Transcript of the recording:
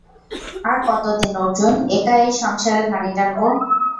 আর কতদিন অর্জুন, একা এই সংসাের ঘানি টানবে?